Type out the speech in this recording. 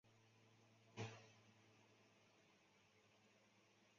同时也培养了一批检疫技术干部。